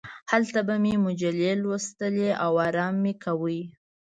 هلته به مې مجلې لوستلې او ارام مې کاوه.